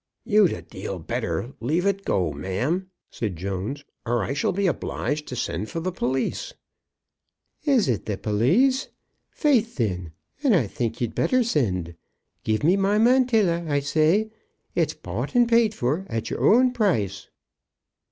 "You'd a deal better leave it go, ma'am," said Jones, "or I shall be obliged to send for the police." "Is it the police? Faith, thin, and I think you'd better send! Give me my mantilla, I say. It's bought and paid for at your own price."